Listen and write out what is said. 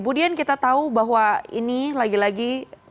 bu dian kita tahu bahwa ini lagi lagi